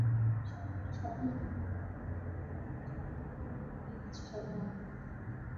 সকলেরই সাধ্যমত কোনো-না-কোনো হিতকর কাজে নিযুক্ত থাকতে হবে– এইটে হচ্ছে সাধারণ ব্রত।